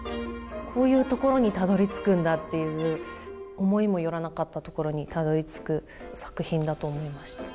こういうところにたどりつくんだっていう思いも寄らなかったところにたどりつく作品だと思いました。